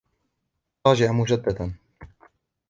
راجع مُجدداً.